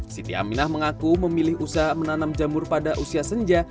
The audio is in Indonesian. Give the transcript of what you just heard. siti aminah mengaku memilih usaha menanam jamur pada usia senja